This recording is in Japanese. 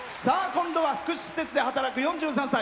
今度は福祉施設で働く４３歳。